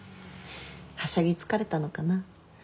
はしゃぎ疲れたのかな？